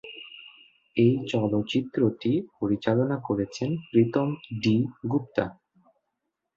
এই চলচ্চিত্রটি পরিচালনা করেছেন প্রীতম ডি গুপ্তা।